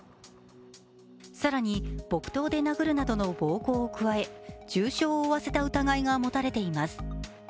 更に木刀で殴るなどの暴行を加え、重傷を負わせた疑いが持たれています。